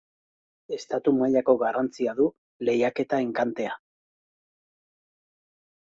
Estatu mailako garrantzia du Lehiaketa-Enkantea.